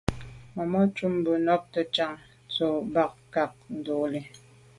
Màmá cúp mbə̌ bū jáptə́ cāŋ tɔ̌ bā ŋká ndɔ̌lī.